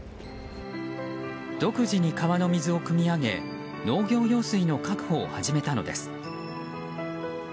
独自に川の水をくみ上げ農業用水の確保を始めたのです。